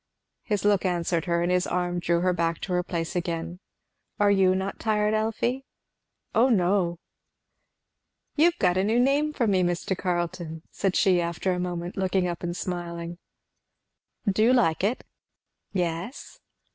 His look answered her, and his arm drew her back to her place again. "Are you not tired, Elfie?" "Oh no! You have got a new name for me, Mr. Carleton,' said she a moment after, looking up and smiling. "Do you like it?" "Yes."